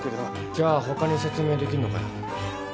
じゃあ他に説明できんのかよ。